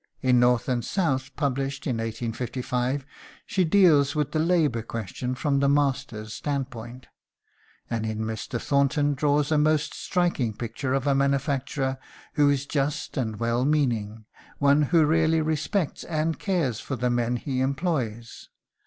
In "North and South," published in 1855, she deals with the labour question from the master's standpoint, and in Mr. Thornton draws a most striking picture of a manufacturer who is just and well meaning one who really respects and cares for the men he employs.